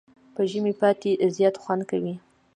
په ژمي پاتی زیات خوند کوي.